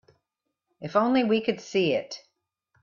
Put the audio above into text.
If only we could see it.